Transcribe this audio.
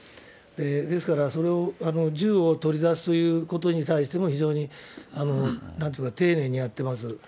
ですから、それを、銃を取り出すということに対しても、非常になんていうか、丁寧にやってます。